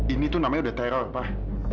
ini tuh namanya udah teror pak